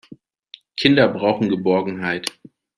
Kinder brauchen Geborgenheit.